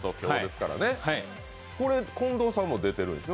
これ、近藤さんも出てるんでしょ？